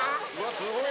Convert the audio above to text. すごい。